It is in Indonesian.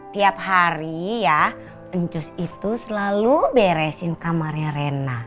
tiap hari ya encus itu selalu beresin kamarnya rena